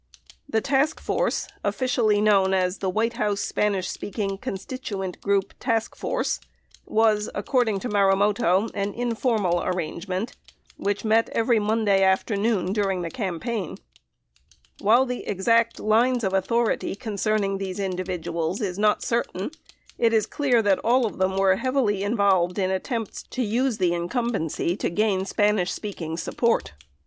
The task force, officially known as the "White House Spanish speaking Constituent Group Task Force," was, according to Marumoto, an in formal arrangement," which met every Monday afternoon during the campaign. 70 While the exact lines of authority concerning these in dividuals is not certain, it is clear that all of them were heavily in volved in attempts to use the incumbency to gain Spanish speaking " 13 Hearings 5308. • Exhibit No. 9. 19 Hearings 8617. ™ 13 Hearings 5277. 382 support.